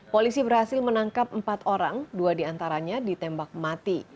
polisi berhasil menangkap empat orang dua diantaranya ditembak mati